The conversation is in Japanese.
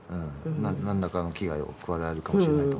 なんらかの危害を加えられるかもしれないと。